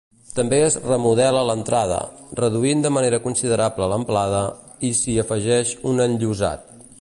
També es remodela l'entrada, reduint de manera considerable l'amplada, i s'hi afegeix un enllosat.